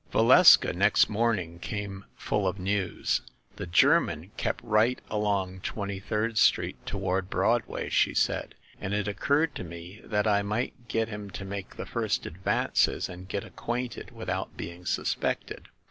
Valeska next morning came full of news. "The German kept right along Twenty third Street toward Broadway," she said, "and it occurred to me that I might get him to make the first advances, and get ac quainted without being suspected.